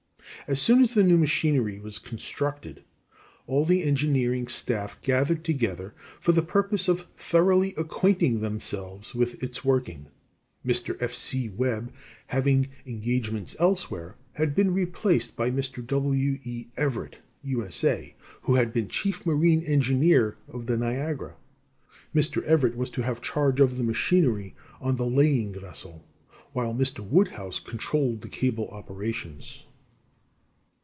As soon as the new machinery was constructed, all the engineering staff gathered together for the purpose of thoroughly acquainting themselves with its working. Mr. F. C. Webb, having engagements elsewhere, had been replaced by Mr. W. E. Everett, U.S.A., who had been chief marine engineer of the Niagara. Mr. Everett was to have charge of the machinery on the laying vessel, while Mr. Woodhouse controlled the cable operations.